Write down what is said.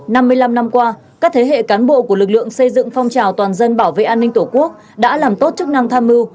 năm mươi năm năm qua các thế hệ cán bộ của lực lượng xây dựng phong trào toàn dân bảo vệ an ninh tổ quốc đã làm tốt chức năng tham mưu